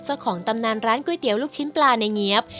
ตำนานร้านก๋วยเตี๋ยวลูกชิ้นปลาในเงี๊ยบ